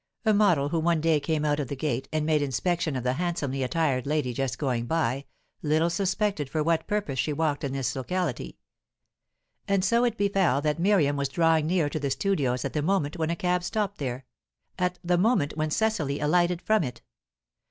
A model who one day came out of the gate, and made inspection of the handsomely attired lady just going by, little suspected for what purpose she walked in this locality. And so it befell that Miriam was drawing near to the studios at the moment when a cab stopped there, at the moment when Cecily alighted from it.